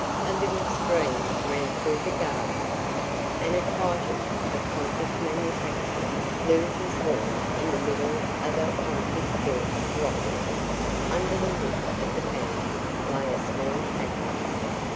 A little stream ran through the garden, and a Triton of convict manufacture blew his horn in the middle of a convict built rockery. Under the lip of the fountain lay a small packet.